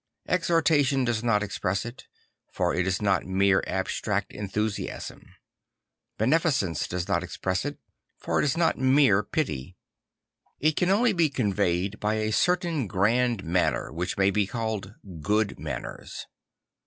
Exhorta tion does not express it, for it is not mere abstract enthusiasm; beneficence does not express it, for it is not mere pity It can only be conveyed by a certain grand manner which may be called good manners.